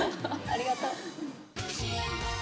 ありがとう。